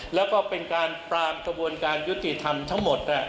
แล้วก็เป็นการปรามกระบวนการยุติธรรมทั้งหมด